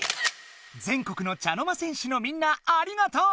全国の茶の間戦士のみんなありがとう。